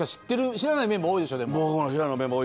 知らないメンバー、多いですね。